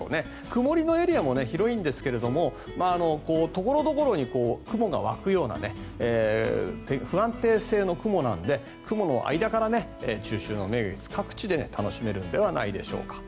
曇りのエリアも多いんですが所々に雲が湧くような不安定性の雲なので雲の間から中秋の名月各地で楽しめるのではないでしょうか。